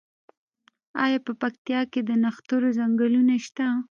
آیا په پکتیا کې د نښترو ځنګلونه شته؟